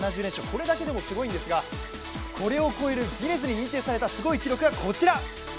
これだけでもすごいんですがこれを越えるギネスに認定されたすごい記録がこちら！